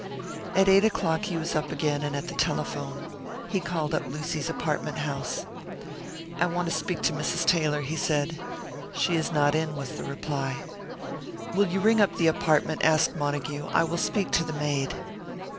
At eight o'clock he was up again and at the telephone. He called up Lucy's apartment house. "I want to speak to Mrs. Taylor," he said. "She is not in," was the reply. "Will you ring up the apartment?" asked Montague. "I will speak to the maid."